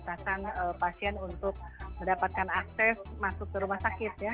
datang pasien untuk mendapatkan akses masuk ke rumah sakit ya